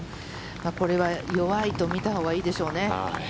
これは弱いと見たほうがいいですよね。